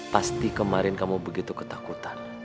pasti kemarin kamu begitu ketakutan